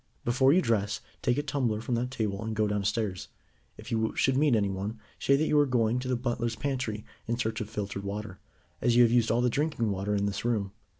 "Before you dress, take a tumbler from that table, and go downstairs. If you should meet anyone, say that you are going to the butler's pantry in search of filtered water, as you have used all the drinking water in this room.